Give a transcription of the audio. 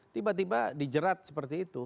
tiba tiba dijerat seperti itu